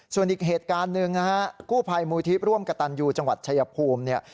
ส่วนอีกเหตุการณ์หนึ่งนะฮะกู้ภัยมูลที่ร่วมกระตันยูจังหวัดชายภูมิเนี่ย